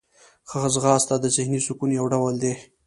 ځغاسته د ذهني سکون یو ډول دی